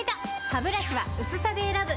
ハブラシは薄さで選ぶ！